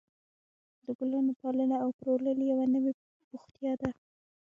د ګلانو پالنه او پلورل یوه نوې بوختیا ده.